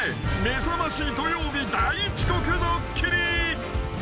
『めざましどようび』大遅刻ドッキリ］